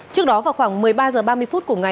trước đó vào khoảng một mươi ba h ba mươi phút